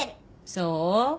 そう？